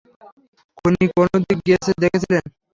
খুনি কোনদিকে গিয়েছে দেখেছিলেন?